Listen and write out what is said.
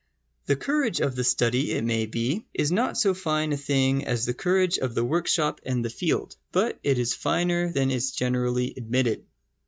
The courage of the study, it may be, is not so fine a thing as the courage of the workshop and the field. But it is finer than is generally admitted.